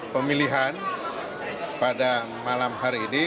pemilihan pada malam hari ini